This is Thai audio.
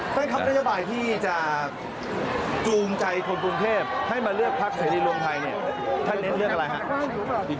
แฟนครับนโยบายที่จะจูมใจคนปรุงเทพให้มาเลือกพักใส่ดินรวมไทยท่านเน้นเลือกอะไรครับ